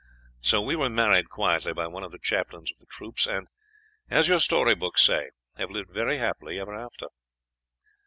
So we were married quietly by one of the chaplains of the troops, and, as your storybooks say, have lived very happily ever after."